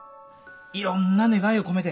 いろんな願いを込めて。